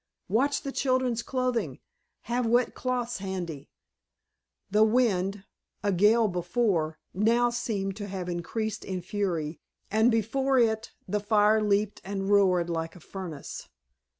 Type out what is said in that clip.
"Watch the children's clothing. Have wet cloths handy!" The wind, a gale before, now seemed to have increased in fury, and before it the fire leaped and roared like a furnace.